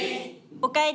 おかえり。